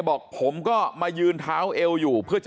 มันต้องการมาหาเรื่องมันจะมาแทงนะ